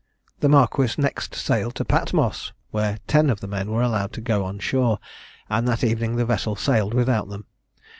The marquis next sailed to Patmos, where ten of the men were allowed to go on shore, and that evening the vessel sailed without them.